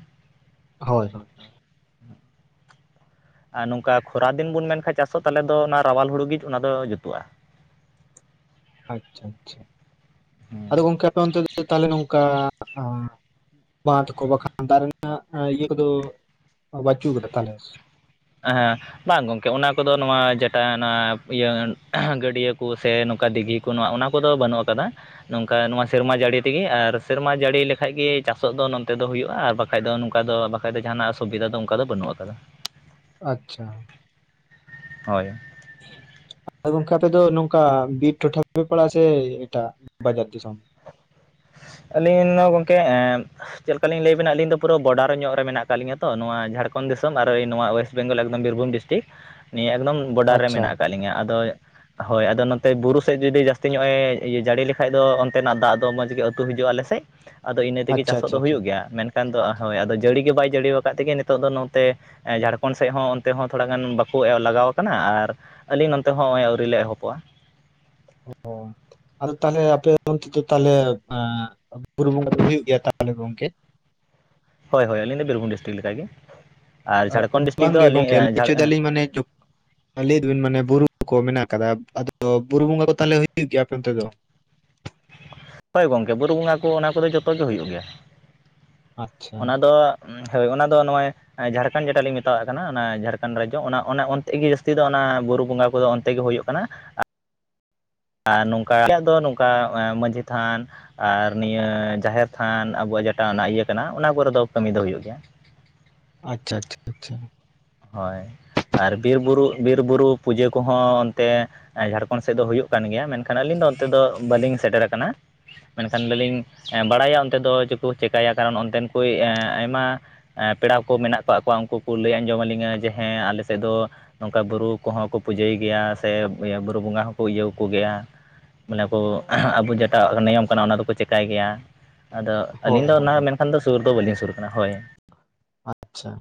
ᱦᱳᱭ ᱦᱳᱭ ᱟᱨ ᱱᱚᱝᱠᱟ ᱠᱷᱚᱨᱟ ᱫᱤᱱ ᱵᱚᱱ ᱢᱮᱱᱠᱷᱟᱱ ᱪᱟᱥᱚᱜ ᱛᱟᱦᱚᱞᱮ ᱫᱚ ᱚᱱᱟ ᱨᱟᱣᱟᱞ ᱦᱩᱲᱩ ᱜᱮ ᱚᱱᱟ ᱫᱚ ᱡᱩᱛᱩᱜᱼᱟ ᱟᱪᱪᱷᱟ ᱟᱪᱪᱷᱟ ᱟᱫᱚ ᱜᱚᱝᱠᱮ ᱟᱯᱮ ᱚᱱᱛᱮ ᱛᱟᱦᱞᱮ ᱱᱚᱝᱠᱟ ᱵᱟᱸᱫ ᱠᱚ ᱵᱟᱠᱷᱟᱱ ᱫᱟᱜ ᱨᱮᱱᱟᱜ ᱤᱭᱟᱹ ᱠᱚᱫᱚ ᱵᱟᱪᱩᱜ ᱟᱠᱟᱫᱟ ᱛᱟᱞᱚᱞᱮ ᱦᱮᱸ ᱵᱟᱝ ᱜᱚᱝᱠᱮ ᱚᱱᱟ ᱠᱚᱫᱚ ᱱᱚᱣᱟ ᱡᱮᱴᱟ ᱚᱱᱟ ᱤᱭᱟᱹ ᱜᱟᱹᱰᱭᱟᱹ ᱠᱚ ᱥᱮ ᱱᱚᱝᱠᱟ ᱫᱤᱜᱷᱤ ᱱᱚᱣᱟ ᱚᱱᱟ ᱠᱚᱫᱚ ᱵᱟᱹᱱᱩᱜ ᱟᱠᱟᱫᱟ ᱱᱚᱝᱠᱟ ᱱᱚᱣᱟ ᱥᱮᱨᱢᱟ ᱡᱟᱹᱲᱤ ᱛᱮᱜᱮ ᱟᱨ ᱥᱮᱨᱢᱟ ᱡᱟᱹᱲᱤ ᱞᱮᱠᱟᱱᱡ ᱜᱮ ᱪᱟᱥᱚᱜ ᱫᱚ ᱱᱚᱱᱛᱮ ᱫᱚ ᱦᱩᱭᱩᱜᱼᱟ ᱟᱨ ᱵᱟᱠᱟᱱ ᱵᱟᱠᱷᱟᱡ ᱫᱚ ᱱᱚᱝᱠᱟ ᱫᱚ ᱵᱟᱠᱷᱟᱡ ᱫᱚ ᱡᱟᱦᱟᱱᱟᱜ ᱥᱩᱵᱤᱫᱷᱟ ᱫᱚ ᱚᱱᱠᱟ ᱫᱚ ᱵᱟᱹᱱᱩᱜ ᱟᱠᱟᱫᱟ ᱟᱪᱪᱷᱟ ᱦᱳᱭ ᱟ ᱜᱚᱝᱠᱮ ᱟᱯᱮ ᱫᱚ ᱱᱚᱝᱠᱟ ᱵᱤᱨ ᱴᱚᱴᱷᱟ ᱨᱮᱯᱮ ᱯᱟᱲᱟᱜ ᱥᱮ ᱮᱴᱟᱜ ᱵᱟᱡᱟᱨ ᱫᱤᱥᱚᱢ ᱟᱹᱞᱤᱧ [unintelligible] ᱜᱚᱝᱠᱮ ᱪᱮᱫ ᱞᱮᱠᱟᱞᱤᱧ ᱞᱟᱹᱭᱵᱮᱱᱟ ᱟᱹᱞᱤᱧ ᱫᱚ ᱯᱩᱨᱟᱹ ᱵᱚᱰᱟᱨ ᱧᱚᱜ ᱨᱮ ᱢᱮᱱᱟᱜ ᱟᱠᱟᱫ ᱞᱤᱧᱟᱹ ᱛᱚ ᱱᱚᱣᱟ ᱡᱷᱟᱲᱠᱷᱚᱸᱰ ᱫᱤᱥᱚᱢ ᱟᱨ ᱱᱚᱣᱟ ᱚᱭᱮᱥᱴ ᱵᱮᱝᱜᱚᱞ ᱮᱠᱫᱚᱢ ᱵᱤᱨᱵᱷᱩᱢ ᱰᱤᱥᱴᱤᱠ ᱱᱤᱭᱟᱹ ᱮᱠᱫᱚᱢ ᱵᱚᱰᱟᱨ ᱨᱮ ᱟᱪᱪᱷᱟ ᱢᱮᱱᱟᱜ ᱟᱠᱟᱫ ᱞᱤᱧᱟ ᱟᱫᱚ ᱦᱳᱭ ᱟᱫᱚ ᱱᱚᱛᱮ ᱵᱩᱨᱩ ᱥᱮᱫ ᱡᱩᱫᱤ ᱡᱟᱹᱥᱛᱤ ᱧᱚᱜᱼ ᱮ ᱡᱟᱹᱲᱤ ᱞᱮᱠᱷᱟᱡ ᱫᱚ ᱚᱱᱛᱮᱱᱟᱜ ᱫᱟᱜ ᱫᱚ ᱢᱚᱡᱽ [unintelligible] ᱟᱹᱛᱩ ᱦᱤᱡᱩᱜᱼᱟ ᱟᱞᱮ ᱥᱮᱫ ᱟᱫᱚ ᱤᱱᱟᱹ ᱛᱮᱜᱮ ᱟᱪᱪᱷᱟ ᱪᱟᱥᱚᱜ ᱟᱪᱪᱷᱟ ᱫᱚ ᱟᱪᱪᱷᱟ ᱦᱩᱭᱩᱜ ᱜᱮᱭᱟ ᱢᱮᱱᱠᱷᱟᱱ ᱠᱷᱟᱱ ᱫᱚ ᱦᱳᱭ ᱟᱫᱚ ᱡᱟᱹᱲᱤ ᱜᱮ ᱵᱟᱭ ᱡᱟᱹᱲᱤᱠᱟᱫ ᱛᱮᱜᱮ ᱱᱤᱛᱚᱜ ᱫᱚ ᱱᱚᱛᱮ ᱡᱷᱟᱲᱠᱷᱚᱸᱰ ᱥᱮᱫ ᱦᱚᱸ ᱚᱱᱛᱮ ᱦᱚᱸ ᱛᱷᱚᱲᱟ ᱜᱟᱱ ᱵᱟᱠᱚ ᱮ ᱞᱟᱜᱟᱣ ᱠᱟᱱᱟ ᱟᱨ ᱟᱞᱤᱧ ᱱᱚᱛᱮ ᱦᱚᱸ ᱱᱚᱜᱼᱚᱭ ᱟᱹᱣᱨᱤ ᱞᱮ ᱮᱦᱚᱵᱚᱜᱼᱟ ᱚ ᱟᱫᱚ ᱛᱟᱦᱚᱞᱮ ᱟᱯᱮ ᱚᱱᱛᱮ ᱫᱚ ᱛᱟᱦᱚᱞᱮ ᱵᱩᱨᱩ ᱵᱚᱸᱜᱟ ᱫᱚ ᱦᱩᱭᱩᱜ ᱜᱮᱭᱟ ᱛᱟᱦᱚᱞᱮ ᱜᱚᱝᱠᱮ ᱦᱳᱭ ᱦᱳᱭ ᱟᱹᱞᱤᱧ ᱫᱚ ᱵᱤᱨᱵᱷᱩᱢ ᱰᱤᱥᱴᱨᱤᱠ ᱞᱮᱠᱟ ᱜᱮ ᱵᱟᱝᱜ ᱜᱮ ᱜᱚᱝᱠᱮ ᱞᱮᱫᱟᱞᱤᱧ ᱢᱟᱱᱮ [unintelligible] ᱞᱟᱹᱭᱮᱫᱵᱤᱱ ᱢᱟᱱᱮ ᱵᱩᱨᱩ ᱠᱚ ᱢᱮᱱᱟᱜ ᱟᱠᱟᱫᱟ ᱟᱫᱚ ᱵᱩᱨᱩ ᱵᱚᱸᱜᱟ ᱠᱚ ᱛᱟᱦᱚᱞᱮ ᱦᱩᱭᱩᱜ ᱜᱮᱭᱟ ᱟᱯᱮ ᱚᱱᱛᱮ ᱫᱚ ᱦᱳᱭ ᱜᱚᱝᱠᱮ ᱵᱩᱨᱩ ᱵᱚᱸᱜᱟ ᱠᱚ ᱚᱱᱟ ᱠᱚᱫᱚ ᱡᱚᱛᱚ ᱜᱮ ᱦᱩᱭᱩᱜ ᱟᱪᱪᱷᱟ ᱜᱮᱭᱟ---ᱚᱱᱟ ᱫᱚ ᱦᱳᱭ ᱚᱱᱟ ᱫᱚ ᱱᱚᱜᱼᱚᱭ ᱡᱷᱟᱲᱠᱷᱚᱸᱰ ᱡᱮᱴᱟ ᱞᱤᱧ ᱢᱮᱛᱟᱣᱟᱜ ᱠᱟᱱᱟ ᱚᱱᱟ ᱡᱷᱟᱲᱠᱷᱚᱸᱰ ᱨᱟᱡᱽᱡᱚ ᱚᱱᱟ ᱚᱱᱛᱮ ᱜᱮ ᱡᱟᱹᱥᱛᱤ ᱫᱚ ᱚᱱᱟ ᱵᱩᱨᱩ ᱵᱚᱸᱜᱟ ᱠᱚᱫᱚ ᱚᱱᱛᱮ ᱜᱮ ᱦᱩᱭᱩᱜ ᱠᱟᱱᱟ ᱟᱨ ᱱᱚᱝᱠᱟ ᱟᱞᱮᱭᱟᱜ ᱫᱚ ᱱᱚᱝᱠᱟ ᱢᱟᱺᱡᱷᱤ ᱛᱷᱟᱱ ᱟᱨ ᱱᱤᱭᱟᱹ ᱡᱟᱦᱮᱨ ᱛᱷᱟᱱ ᱟᱵᱚᱣᱟᱜ ᱡᱮᱴᱟ ᱚᱱᱟ ᱤᱭᱟᱹ ᱠᱟᱱᱟ ᱚᱱᱟ ᱠᱚᱨᱮ ᱫᱚ ᱠᱟᱹᱢᱤ ᱫᱚ ᱦᱩᱭᱩᱜ ᱜᱮᱭᱟ ᱟᱪᱪᱷᱟ ᱟᱪᱪᱷᱟ ᱟᱪᱪᱷᱟ ᱦᱳᱭ ᱟᱨ ᱵᱤᱨᱵᱩᱨᱩ ᱵᱤᱨᱵᱩᱨᱩ ᱯᱩᱡᱟᱹ ᱠᱚᱦᱚᱸ ᱚᱱᱛᱮ ᱡᱷᱟᱲᱠᱷᱚᱱᱰ ᱥᱮᱫ ᱫᱚ ᱦᱩᱭᱩᱜ ᱠᱟᱱ ᱜᱮᱭᱟ ᱢᱮᱱᱠᱷᱟᱱ ᱟᱹᱞᱤᱧ ᱫᱚ ᱚᱱᱛᱮ ᱫᱚ ᱵᱟᱹᱞᱤᱧ ᱥᱮᱴᱮᱨ ᱠᱟᱱᱟ ᱢᱮᱱᱠᱷᱟᱱ ᱵᱟᱞᱤᱧ ᱵᱟᱲᱟᱭᱟ ᱚᱱᱛᱮ ᱫᱚ ᱪᱮᱫᱠᱚ ᱪᱤᱠᱟᱹᱭᱟ ᱠᱟᱨᱚᱱ ᱚᱱᱛᱮᱱ ᱠᱚᱭ ᱟᱭᱢᱟ ᱯᱮᱲᱟ ᱠᱚ ᱢᱮᱱᱟᱜ ᱠᱟᱜ ᱠᱚᱣᱟ ᱩᱱᱠᱩ ᱠᱚ ᱞᱟᱹᱭ ᱟᱸᱡᱚᱢ ᱟᱹᱞᱤᱧᱟ ᱡᱮ ᱦᱮᱸ ᱟᱞᱮ ᱥᱮᱫ ᱫᱚ ᱱᱚᱝᱠᱟ ᱵᱩᱨᱩ ᱠᱚᱦᱚᱸ ᱠᱚ ᱯᱩᱡᱟᱹᱭ ᱜᱮᱭᱟ ᱥᱮ ᱵᱩᱨᱩ ᱵᱚᱸᱜᱟ ᱦᱚᱸᱠᱚ ᱤᱭᱟᱹᱣ ᱟᱠᱚᱜᱮᱭᱟ ᱢᱟᱱᱮ ᱠᱚ ᱟᱵᱚ ᱡᱮᱴᱟ ᱱᱤᱭᱚᱢ ᱠᱟᱱᱟ ᱚᱱᱟ ᱫᱚᱠᱚ ᱪᱮᱠᱟᱭ ᱜᱮᱭᱟ ᱟᱫᱚ ᱟᱹᱞᱤᱧ ᱦᱳᱭ ᱫᱚ ᱦᱳᱭ ᱚᱱᱟ ᱦᱳᱭ ᱢᱮᱱᱠᱷᱟᱱ ᱫᱚ ᱥᱩᱨ ᱫᱚ ᱵᱟᱹᱞᱤᱧ ᱥᱩᱨ ᱠᱟᱱᱟ ᱦᱳᱭ ᱟᱪᱪᱷᱟ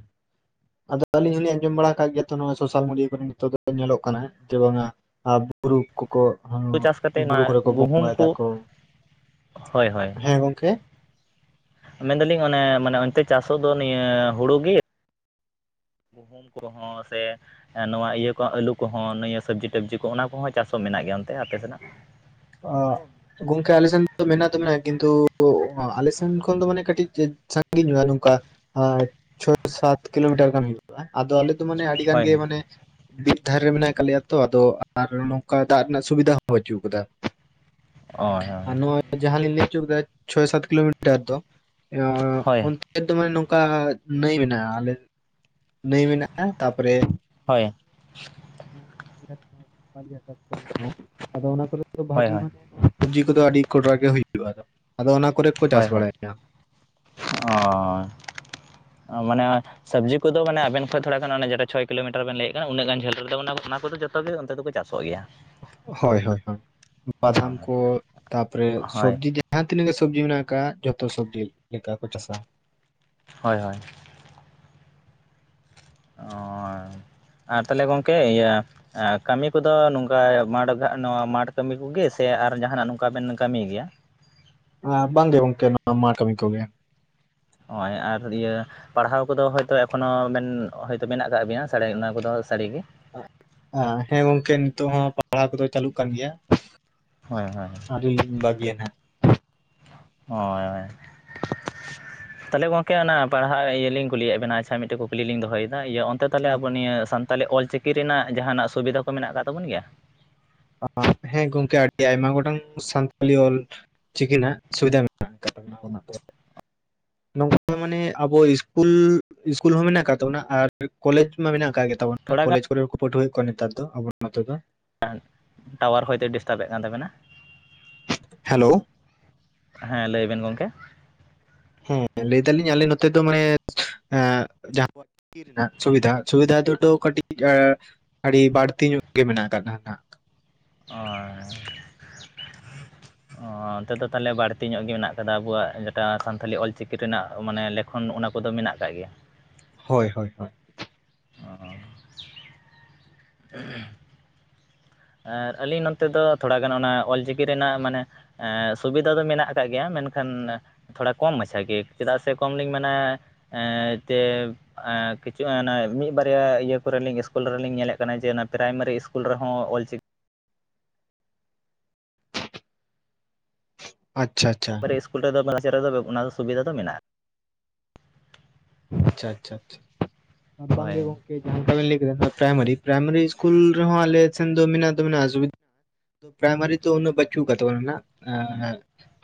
ᱟᱫᱚ ᱟᱞᱤᱧ ᱦᱚᱞᱤᱧ ᱟᱸᱡᱚᱢ ᱵᱟᱲᱟ ᱠᱟᱜ ᱜᱮᱭᱟ ᱛᱚ ᱱᱚᱣᱟ ᱥᱳᱥᱟᱞ ᱢᱤᱰᱤᱭᱟ ᱠᱚᱨᱮ ᱱᱤᱛᱚᱜ ᱫᱚ ᱧᱮᱞᱚᱜ ᱠᱟᱱᱟ ᱡᱮ ᱵᱟᱝ-ᱟ ᱟᱨ ᱵᱩᱨᱩ ᱠᱚᱠᱚ ᱦᱩᱲᱩ ᱪᱟᱥ ᱠᱟᱛᱮᱫ ᱵᱩᱨᱩ ᱱᱚᱣᱟ ᱠᱚᱨᱮ ᱠᱚ ᱜᱩᱦᱩᱢ ᱵᱚᱸᱜᱟᱭ ᱠᱚ ᱫᱟᱠᱚ ᱦᱳᱭ ᱦᱳᱭ ᱦᱮᱸ ᱜᱚᱢᱠᱮ ᱢᱮᱱᱫᱟᱞᱤᱧ ᱚᱱᱮ ᱢᱟᱱᱮ ᱚᱱᱛᱮ ᱪᱟᱥᱚᱜ ᱫᱚ ᱱᱤᱭᱟᱹ ᱦᱩᱲᱩ ᱜᱮ ᱜᱩᱦᱩᱢ ᱠᱚᱦᱚᱸ ᱥᱮ ᱱᱚᱣᱟ ᱤᱭᱟᱹ ᱠᱚ ᱟᱹᱞᱩ ᱠᱚᱦᱚᱸ ᱱᱤᱭᱟᱹ ᱥᱚᱵᱽᱡᱤ ᱴᱚᱵᱡᱤ ᱠᱚ ᱚᱱᱟ ᱠᱚᱦᱚᱸ ᱪᱟᱥ ᱦᱚᱸ ᱢᱮᱱᱟᱜ ᱜᱮᱭᱟ ᱚᱱᱛᱮ ᱟᱯᱮ ᱥᱮᱱᱟᱜ ᱚ ᱜᱚᱝᱠᱮ ᱟᱞᱮ ᱥᱮᱱ ᱫᱚ ᱢᱮᱱᱟᱜ ᱫᱚ ᱢᱮᱱᱟᱜ-ᱟ ᱠᱤᱱᱛᱩ ᱟᱞᱮ ᱥᱮᱱ ᱠᱷᱚᱱ ᱫᱚ ᱢᱟᱱᱮ ᱠᱟᱹᱴᱤᱡ ᱥᱟᱜᱤᱧ ᱧᱚᱜᱼᱟ ᱱᱚᱝᱠᱟ ᱪᱷᱚ ᱥᱟᱛ ᱠᱤᱞᱳᱢᱤᱴᱟᱨ ᱜᱟᱱ ᱦᱩᱭᱩᱜᱼᱟ ᱟᱫᱚ ᱟᱞᱮ ᱫᱚ ᱢᱟᱱᱮ ᱟᱹᱰᱤ ᱜᱟᱱ ᱦᱳᱭ ᱜᱮ ᱢᱟᱱᱮ ᱵᱤᱨ ᱫᱷᱟᱨᱮ ᱨᱮ ᱢᱮᱱᱟᱜ ᱠᱟᱜ ᱞᱮᱭᱟ ᱛᱚ ᱟᱫᱚ ᱟᱨ ᱱᱚᱝᱠᱟ ᱫᱟᱜ ᱨᱮᱱᱟᱜ ᱥᱩᱵᱤᱫᱷᱟ ᱦᱚᱸ ᱵᱟᱹᱪᱩᱜ ᱠᱟᱫᱟ ᱦᱳᱭ ᱟᱨ ᱱᱚᱜᱼᱚᱭ ᱡᱟᱦᱟᱸ ᱞᱤᱧ ᱞᱟᱹᱭ ᱦᱚᱪᱚ ᱠᱮᱫᱟ ᱪᱷᱚᱭ ᱥᱟᱛ ᱠᱤᱞᱳᱢᱤᱴᱟᱨ ᱫᱚ ᱦᱳᱭ ᱚᱱᱛᱮ ᱫᱚ ᱢᱟᱱᱮ ᱱᱚᱝᱠᱟ ᱱᱟᱹᱭ ᱢᱮᱱᱟᱜᱼᱟ ᱟᱞᱮ ᱱᱟᱹᱭ ᱢᱮᱱᱟᱜᱼᱟ ᱛᱟᱯᱚᱨᱮ ᱦᱳᱭ ᱢᱮᱱᱟᱜᱼᱟ ᱟᱫᱚ ᱚᱱᱟ ᱠᱚᱨᱮ ᱫᱚ ᱦᱳᱭ ᱵᱷᱟᱜᱤ ᱦᱳᱭ ᱢᱟᱱᱮ ᱥᱚᱵᱡᱤ ᱠᱚᱫᱚ ᱟᱹᱰᱤ ᱠᱚᱰᱨᱟ ᱜᱮ ᱦᱩᱭᱩᱜᱼᱟ ᱟᱫᱚ ᱚᱱᱟ ᱠᱚᱨᱮ ᱠᱚ ᱪᱟᱥ ᱦᱳᱭ ᱦᱳᱭ ᱵᱟᱲᱟᱭᱟ ᱚ ᱢᱟᱱᱮ ᱥᱚᱵᱡᱤ ᱠᱚᱫᱚ ᱢᱟᱱᱮ ᱟᱵᱮᱱ ᱠᱷᱚᱱ ᱛᱷᱚᱲᱟ ᱠᱷᱟᱱᱮ ᱡᱮᱴᱟ ᱪᱷᱚᱭ ᱠᱤᱞᱳᱢᱤᱴᱟᱨ ᱵᱮᱱ ᱞᱟᱹᱭᱮᱫ ᱠᱟᱱᱟ ᱩᱱᱟᱹ ᱜᱟᱱ ᱡᱷᱟᱹᱞ ᱨᱮᱫᱚ ᱚᱱᱟ ᱠᱚ ᱡᱚᱛᱚ ᱛᱚᱵᱮ ᱚᱱᱛᱮ ᱫᱚᱠᱚ ᱪᱟᱥᱚᱜ ᱜᱮᱭᱟ ᱦᱳᱭ ᱦᱳᱭ ᱵᱟᱫᱟᱢ ᱦᱳᱭ ᱠᱚ ᱛᱟᱯᱚᱨᱮ ᱥᱚᱵᱡᱤ ᱡᱟᱦᱟᱸ ᱛᱤᱱᱟᱹᱜ ᱜᱮ ᱥᱚᱵᱽᱡᱤ ᱢᱮᱱᱟᱜ ᱟᱠᱟᱫ ᱡᱷᱚᱛᱚ ᱥᱚᱵᱡᱤ ᱞᱮᱠᱟ ᱠᱚ ᱪᱟᱥᱟ ᱦᱳᱭ ᱦᱳᱭ ᱚ ᱟᱨ ᱛᱟᱦᱚᱞᱮ ᱜᱚᱢᱠᱮ ᱤᱭᱟᱹ ᱠᱟᱹᱢᱤ ᱠᱚᱫᱚ ᱱᱚᱝᱠᱟ ᱢᱟᱴ ᱱᱚᱣᱟ ᱢᱟᱴᱷ ᱠᱟᱹᱢᱤ ᱠᱚᱜᱮ ᱥᱮ ᱟᱨ ᱡᱟᱦᱟᱱᱟᱜ ᱱᱚᱝᱠᱟ ᱵᱮᱱ ᱠᱟᱹᱢᱤ ᱜᱮᱭᱟ ᱟᱨ ᱵᱟᱝ ᱜᱮ ᱜᱚᱝᱠᱮ ᱱᱣᱟ ᱢᱟᱴ ᱠᱟᱢᱤ ᱠᱚᱜᱮ ᱱᱚᱜᱼᱚᱭ ᱟᱨ ᱤᱭᱟᱹ ᱯᱟᱲᱦᱟᱣ ᱠᱚᱫᱚ ᱦᱳᱭᱛᱳ ᱮᱠᱷᱚᱱᱳ ᱢᱮᱱ ᱦᱚᱭᱛᱳ ᱢᱮᱱᱟᱜ ᱟᱠᱟᱟᱜ ᱵᱤᱱᱟ ᱚᱱᱟ ᱠᱚᱫᱚ ᱥᱟᱹᱨᱤᱜ ᱜᱮ ᱦᱮᱸ ᱜᱚᱝᱠᱮ ᱱᱤᱛᱚᱜ ᱦᱚᱸ ᱯᱟᱲᱦᱟᱣ ᱠᱚᱫᱚ ᱪᱟᱹᱞᱩᱜ ᱠᱟᱱ ᱜᱮᱭᱟ ᱦᱳᱭ ᱦᱳᱭ ᱟᱰᱤᱭ ᱵᱟᱹᱜᱭᱱᱟ ᱦᱳᱸᱭ ᱛᱟᱦᱚᱞᱮ ᱜᱚᱢᱠᱮ ᱚᱱᱟ ᱯᱟᱲᱦᱟᱜ ᱤᱭᱟᱹ ᱞᱤᱧ ᱠᱩᱞᱤᱭᱮᱫ ᱵᱮᱱᱟ ᱟᱪᱪᱷᱟ ᱢᱤᱫᱴᱮᱱ ᱠᱩᱠᱞᱤ ᱞᱤᱧ ᱫᱚᱦᱚᱭᱮᱫᱟ ᱤᱭᱟᱹ ᱛᱟᱦᱚᱞᱮ ᱟᱵᱚ ᱱᱤᱭᱟᱹ ᱥᱟᱱᱟᱞᱤ ᱚᱞᱪᱤᱠᱤ ᱨᱮᱱᱟᱜ ᱡᱟᱦᱟᱱᱟᱜ ᱥᱩᱵᱤᱫᱷᱟ ᱠᱚ ᱢᱮᱱᱟᱜ ᱟᱠᱟᱫ ᱛᱟᱵᱚᱱ ᱜᱮᱭᱟ ᱦᱮᱸ ᱜᱚᱝᱠᱮ ᱟᱹᱰᱤ ᱟᱭᱢᱟ ᱜᱚᱴᱟᱝ ᱥᱟᱱᱛᱟᱞᱤ ᱚᱞ ᱪᱤᱠᱤᱱᱟᱜ ᱥᱩᱵᱤᱫᱟ ᱢᱮᱱᱟᱜ ᱟᱠᱟᱫ [unintelligible] [inaudible] ᱱᱚᱝᱠᱟ ᱢᱟᱱᱮ ᱟᱵᱚ ᱤᱥᱠᱩᱞ ᱤᱥᱠᱩᱞ ᱦᱚᱸ ᱢᱮᱱᱟᱜ ᱟᱠᱟᱫ ᱛᱟᱵᱚᱱᱟ ᱟᱨ ᱠᱚᱞᱮᱡᱽ ᱢᱟ ᱢᱮᱱᱟᱜ ᱟᱠᱟᱟᱜ ᱜᱮ ᱛᱵᱚᱱᱟ ᱛᱷᱚᱲᱟ ᱜᱟᱱ ᱠᱚᱞᱮᱡᱽ ᱠᱚᱨᱮ ᱦᱚᱠᱚ ᱯᱟᱹᱴᱷᱣᱟᱹ ᱭᱩᱜ ᱠᱚ ᱠᱟᱱᱟ ᱱᱮᱛᱟᱨ ᱫᱚ ᱟᱵᱚᱛᱚ ᱫᱚ ᱴᱟᱣᱟᱨ ᱦᱚᱭᱛᱳ ᱰᱤᱥᱴᱟᱵ ᱮᱫ ᱠᱟᱱ ᱛᱟᱵᱮᱱᱟ ᱦᱮᱞᱳ ᱦᱮᱸ ᱞᱟᱹᱭᱵᱤᱱ ᱜᱚᱢᱠᱮ ᱦᱮᱸ ᱞᱟᱹᱭ ᱫᱟᱞᱤᱧ ᱟᱞᱮ ᱱᱚᱛᱮ ᱫᱚ ᱢᱟᱱᱮ ᱮ ᱡᱟᱦᱟᱸ ᱨᱮᱱᱟᱜ ᱥᱩᱵᱤᱫᱷᱟ ᱥᱩᱵᱤᱫᱷᱟ ᱫᱚ ᱠᱟᱹᱴᱤᱡ ᱟᱹᱰᱤ ᱵᱟᱹᱲᱛᱤ ᱧᱚᱜ ᱜᱮ ᱢᱮᱱᱟᱜ ᱟᱠᱟᱫᱟ ᱚ ᱚ ᱚᱱᱛᱮ ᱫᱚ ᱛᱟᱦᱚᱞᱮ ᱵᱟᱹᱲᱛᱤ ᱧᱚᱜ ᱜᱮ ᱢᱮᱱᱟᱜ ᱟᱠᱟᱫᱟ ᱟᱵᱚᱣᱟᱜ ᱡᱮᱴᱟ ᱥᱟᱱᱛᱷᱟᱤ ᱚᱞᱪᱤᱠᱤ ᱨᱮᱱᱟᱜ ᱢᱟᱱᱮ ᱮᱠᱷᱚᱱ ᱚᱱᱟ ᱠᱚᱫᱚ ᱢᱮᱱᱟᱜ ᱟᱠᱟᱫ ᱜᱮᱭᱟ ᱦᱳᱭ ᱦᱳᱭ ᱦᱳᱭ ᱟᱨ [unintelligible] ᱟᱨ ᱟᱹᱞᱤᱧ ᱱᱚᱛᱮ ᱫᱚ ᱛᱷᱚᱲᱟ ᱜᱟᱱ ᱚᱱᱟ ᱚᱞᱪᱤᱠᱤ ᱨᱮᱱᱟᱜ ᱢᱟᱱᱮ ᱮ ᱥᱩᱵᱤᱫᱷᱟ ᱫᱚ ᱢᱮᱱᱟᱜ ᱟᱠᱟᱟᱜ ᱜᱮᱭᱟ ᱢᱮᱱᱠᱷᱟᱱ ᱛᱷᱚᱲᱟ ᱠᱚᱢ ᱢᱟᱪᱷᱟ ᱜᱮ ᱪᱮᱫᱟᱜ ᱥᱮ ᱠᱚᱢ ᱞᱤᱧ ᱢᱮᱱᱟ ᱮ ᱛᱮ ᱠᱤᱪᱷᱩ ᱢᱤᱫ ᱵᱟᱨᱭᱟ ᱤᱭᱟᱹ ᱠᱚᱨᱮ ᱞᱤᱧ ᱤᱥᱠᱩᱞ ᱨᱮᱞᱤᱧ ᱧᱮᱞᱮᱫ ᱠᱟᱱᱟ ᱡᱮ ᱯᱨᱟᱭᱢᱟᱨᱤ ᱤᱥᱠᱩᱞ ᱨᱮᱦᱚᱸ ᱚᱞᱪᱤᱠᱤ ᱪᱤᱠᱤ ᱟᱪᱪᱷᱟ ᱟᱪᱪᱷᱟ ᱥᱠᱩᱞ ᱨᱮᱫᱚ ᱵᱟᱪᱟᱨ ᱨᱮᱫᱚ ᱚᱱᱟ ᱫᱚ ᱥᱩᱵᱤᱫᱟ ᱫᱚ ᱢᱮᱱᱟᱜᱼᱟ ᱟᱪᱪᱷᱟ ᱟᱪᱪᱷᱟ ᱟᱪᱪᱷᱟ ᱦᱳᱭ ᱵᱟᱝᱜᱮ ᱜᱚᱝᱠᱮ ᱡᱟᱦᱟ ᱞᱮᱠᱟ ᱵᱮᱱ ᱞᱟᱹᱭ ᱠᱮᱫᱟ ᱯᱨᱟᱭᱢᱟᱨᱤ ᱯᱨᱟᱭᱢᱟᱨᱤ ᱤᱥᱠᱩᱞ ᱨᱮᱦᱚᱸ ᱟᱞᱮ ᱥᱮᱱ ᱫᱚ ᱢᱮᱱᱟᱜ ᱫᱚ ᱢᱮᱱᱟᱜᱼᱟ ᱥᱩᱵᱤᱷᱟ ᱯᱨᱟᱭᱢᱟᱨᱤ ᱫᱚ ᱩᱱᱟᱹᱜ ᱵᱟᱪᱩᱜ ᱟᱠᱟᱫ ᱛᱟᱵᱚᱱᱟ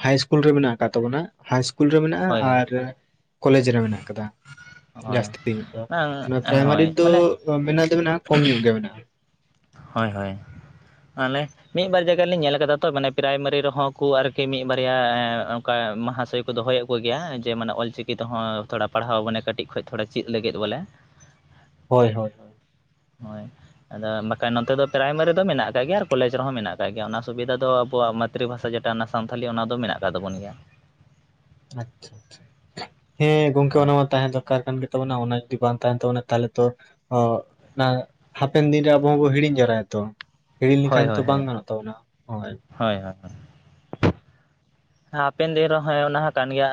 ᱦᱟᱭ ᱤᱥᱠᱩᱞ ᱨᱮ ᱢᱮᱱᱟᱜ ᱟᱠᱟᱫ ᱛᱟᱵᱚᱱᱟ ᱦᱟᱭ ᱤᱥᱠᱩᱞ ᱨᱮ ᱢᱮᱱᱟᱜᱼᱟ ᱦᱳᱭ ᱦᱳᱭ ᱟᱨ ᱠᱚᱞᱮᱡᱽ ᱨᱮ ᱢᱮᱱᱟᱜ ᱟᱠᱟᱫᱟ ᱦᱳᱭ ᱡᱟᱹᱥᱛᱤ ᱧᱚᱜ ᱫᱚ ᱵᱟᱝ ᱚᱱᱟ ᱦᱳᱭ ᱯᱨᱟᱭᱢᱟᱨᱤ ᱫᱚ ᱵᱚᱞᱮ ᱢᱮᱱᱟᱜ ᱫᱚ ᱢᱮᱱᱟᱜᱼᱟ ᱠᱚᱢ ᱧᱚᱜ ᱜᱮ ᱢᱮᱱᱟᱜᱼᱟ ᱦᱳᱭ ᱦᱳᱭ ᱟᱞᱮ ᱢᱤᱫ ᱵᱟᱨ ᱡᱟᱭᱜᱟ ᱨᱮ ᱞᱤᱧ ᱧᱮᱞ ᱟᱠᱟᱫᱟ ᱛᱚ ᱢᱟᱱᱮ ᱯᱨᱟᱭᱢᱟᱨᱤ ᱨᱮᱦᱚᱸ ᱠᱚ ᱟᱨᱠᱤ ᱢᱤᱫ ᱵᱟᱨᱭᱟ ᱚᱱᱠᱟ ᱢᱟᱦᱟᱥᱚᱭ ᱠᱚ ᱫᱚᱦᱚᱭᱮᱫ ᱠᱚᱜᱮᱭᱟ ᱡᱮ ᱢᱟᱱᱮ ᱚᱞ ᱪᱤᱠᱤ ᱛᱮᱦᱚᱸ ᱛᱷᱚᱲᱟ ᱯᱟᱲᱦᱟᱣ ᱵᱚᱞᱮ ᱠᱟᱹᱴᱤᱡ ᱠᱷᱚᱱ ᱛᱷᱚᱲᱟ ᱪᱮᱫ ᱞᱟᱹᱜᱤᱫ ᱵᱚᱞᱮ ᱦᱳᱭ ᱦᱳᱭ ᱦᱳᱭ ᱦᱳᱭ ᱟᱫᱚ ᱵᱟᱠᱷᱟᱱ ᱱᱚᱛᱮ ᱫᱚ ᱯᱨᱟᱭᱢᱟᱨᱤ ᱫᱚ ᱢᱮᱱᱟᱜ ᱟᱠᱟᱫ ᱜᱮᱭᱟ ᱟᱨ ᱠᱚᱞᱮᱡᱽ ᱨᱮᱦᱚᱸ ᱢᱮᱱᱟᱜ ᱟᱠᱟᱫ ᱜᱮᱭᱟ ᱚᱱᱟ ᱥᱩᱵᱤᱫᱷᱟ ᱫᱚ ᱟᱵᱚᱣᱟᱜ ᱢᱟᱛᱨᱤ ᱵᱷᱟᱥᱟ ᱡᱮᱴᱟ ᱚᱱᱟ ᱥᱟᱱᱛᱷᱟᱞᱤ ᱚᱱᱟ ᱫᱚ ᱢᱮᱱᱟᱜ ᱟᱠᱟᱫ ᱛᱟᱵᱚᱱ ᱜᱮᱭᱟ ᱟᱪᱪᱷᱟ ᱟᱪᱪᱷᱟ ᱦᱮᱸ ᱜᱚᱝᱠᱮ ᱦᱳᱭ ᱚᱱᱟ ᱢᱟ ᱛᱟᱦᱮᱸ ᱫᱚᱨᱠᱟᱨ ᱠᱟᱱ ᱜᱮ ᱛᱚᱱᱟ ᱚᱱᱟ ᱡᱩᱫᱤ ᱵᱟᱝ ᱛᱟᱦᱮᱱ ᱛᱟᱵᱚᱱᱟ ᱛᱟᱦᱚᱞᱮ ᱛᱚ ᱚ ᱚᱱᱟ ᱦᱟᱯᱮᱱ ᱫᱤᱱᱨᱮ ᱟᱵᱚ ᱦᱚᱵᱚ ᱦᱤᱲᱤᱧ ᱡᱟᱣᱨᱟᱭᱟ ᱛᱚ ᱦᱤᱲᱤᱧ ᱦᱳᱭ ᱞᱮᱠᱷᱟᱱ ᱛᱚ ᱦᱳᱭ ᱵᱟᱝ ᱦᱳᱭ ᱜᱟᱱᱚᱜ ᱛᱟᱵᱚᱱᱟ ᱦᱚᱭ ᱦᱳᱭ ᱦᱳᱭ ᱦᱳᱭ ᱮ ᱦᱟᱯᱮᱱ ᱫᱤᱱ ᱨᱮᱦᱮᱸ ᱚᱱᱟ ᱦᱚ ᱠᱟᱱ ᱜᱮᱭᱟ